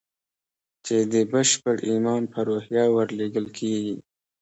چې د بشپړ ايمان په روحيه ورلېږل کېږي.